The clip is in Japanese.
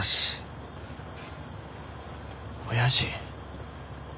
おやじ。